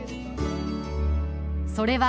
それは。